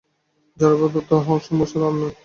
জড়বাদ বা অহংসর্বস্বতা আর নয়।